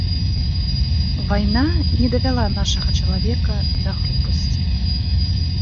Вайна не давяла нашага чалавека да грубасці.